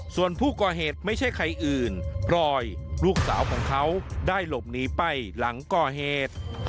ส่วนผู้ก่อเหตุไม่ใช่ใครอื่นรอยลูกสาวของเขาได้หลบหนีไปหลังก่อเหตุ